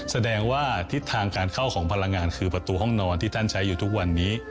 แสดงว่าทิศทางการเข้าของพลังงานคือประตูห้องนอนที่ท่านใช้อยู่ทุกวันนี้